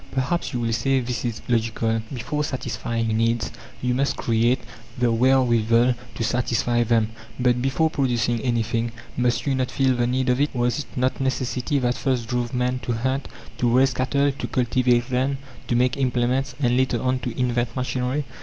Perhaps you will say this is logical. Before satisfying needs you must create the wherewithal to satisfy them. But, before producing anything, must you not feel the need of it? Was it not necessity that first drove man to hunt, to raise cattle, to cultivate land, to make implements, and later on to invent machinery?